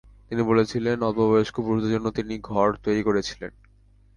তিনি বলছিলেন, অল্প বয়স্ক পুরুষদের জন্য তিনি ঘর তৈরি করছিলেন।